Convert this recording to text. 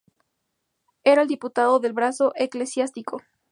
Era el diputado del brazo eclesiástico.